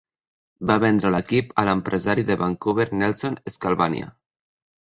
Va vendre l'equip a l'empresari de Vancouver Nelson Skalbania.